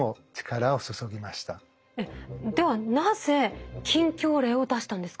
えっではなぜ禁教令を出したんですか？